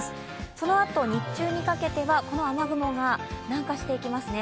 そのあと日中にかけては、この雨雲が南下していきますね。